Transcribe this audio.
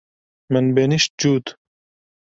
Min benîşt cût.